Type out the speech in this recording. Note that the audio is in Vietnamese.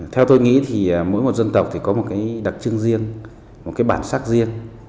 theo tôi nghĩ thì mỗi một dân tộc thì có một cái đặc trưng riêng một cái bản sắc riêng